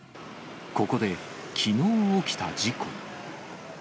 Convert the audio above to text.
ここで、きのう起きた事故。